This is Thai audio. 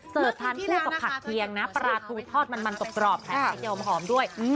เซิร์ทท่านคู่กับผักเทียงนะปลาทู่ทอดมันมันตบกรอบใช่ค่ะมันมันจะอมหอมด้วย